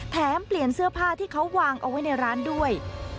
แถมเปลี่ยนเสื้อผ้าที่เขาวางเอาไว้ในร้านด้วย